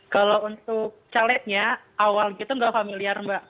kalau untuk calonnya awal itu nggak familiar mbak